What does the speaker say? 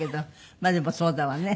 まあでもそうだわね。